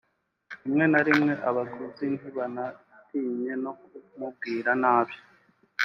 rimwe na rimwe abaguzi ntibanatinye no kumubwira nabi